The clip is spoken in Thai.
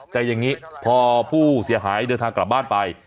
แต่อย่างนี้พอผู้เสียหายเดินทางกลับบ้านไป